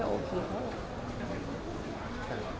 สวัสดีคุณครับ